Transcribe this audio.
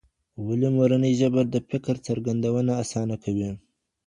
ولي مورنۍ ژبه د فکر څرګندونه اسانه کوي؟